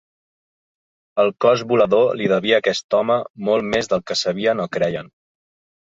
El Cos Volador li devia a aquest home molt més del que sabien o creien.